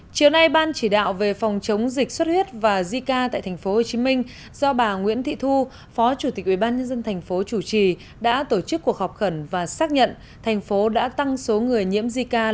chiều nay ban chỉ đạo về phòng chống dịch xuất huyết và zika tại tp hcm do bà nguyễn thị thu phó chủ tịch ubnd tp hcm đã tổ chức cuộc họp khẩn và xác nhận thành phố đã tăng số người nhiễm zika lên con số ba mươi tám